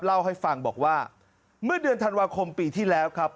เล่าให้ฟังบอกว่าเมื่อเดือนธันวาคมปีที่แล้วครับ